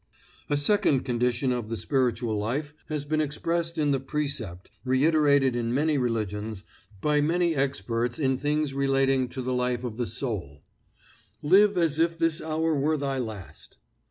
A second condition of the spiritual life has been expressed in the precept, reiterated in many religions, by many experts in things relating to the life of the soul: "Live as if this hour were thy last."